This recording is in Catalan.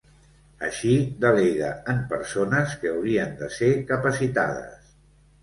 Així, delega en persones que haurien de ser capacitades.